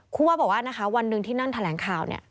ครูพ่อบอกว่าวันนึงที่นั่นแถลงข่าว